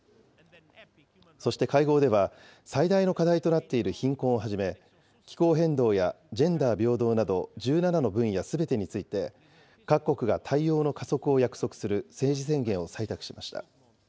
そして会合では、最大の課題となっている貧困をはじめ、気候変動やジェンダー平等など１７の分野すべてについて、各国が対応の加速を約束する政治宣言を採択しました。